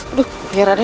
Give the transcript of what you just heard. aduh biar raden